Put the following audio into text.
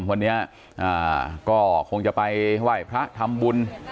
วันนี้ก็คงจะไปไหว้พระทำบุญ